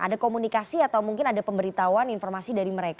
ada komunikasi atau mungkin ada pemberitahuan informasi dari mereka